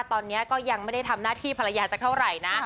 ตอนนี้ก็ยังไม่ได้ทำหน้าที่ภรรยาสักเท่าไหร่นะ